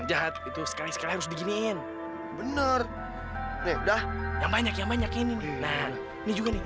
jahat itu sekali sekali begini bener udah banyak banyak ini juga nih